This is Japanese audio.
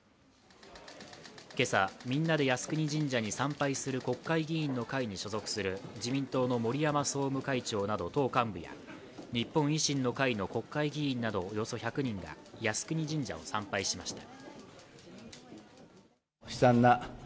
今朝、みんなで靖国神社に参拝する国会議員の会に所属する自民党の森山総務会長など党幹部や日本維新の会の国会議員などおよそ１００人が靖国神社を参拝しました。